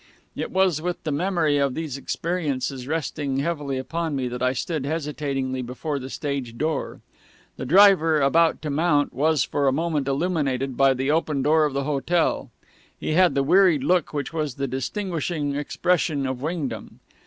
It was with the memory of these experiences resting heavily upon me that I stood hesitatingly before the stage door. The driver, about to mount, was for a moment illuminated by the open door of the hotel. He had the wearied look which was the distinguishing expression of Wingdam.